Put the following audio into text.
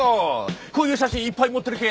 こういう写真いっぱい持ってる系？